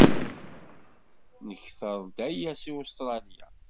Nekter-d aya seg Ustṛalya.